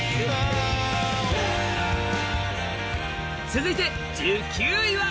続いて１９位は